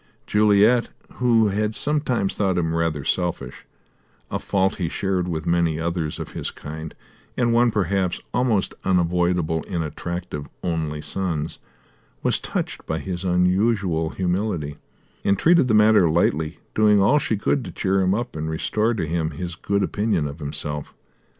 Juliet, who had sometimes thought him rather selfish a fault he shared with many others of his kind, and one perhaps almost unavoidable in attractive only sons was touched by his unusual humility, and treated the matter lightly, doing all she could to cheer him up and restore to him his good opinion of himself.